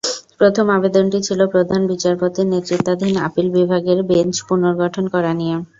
প্রথম আবেদনটি ছিল প্রধান বিচারপতির নেতৃত্বাধীন আপিল বিভাগের বেঞ্চ পুনর্গঠন করা নিয়ে।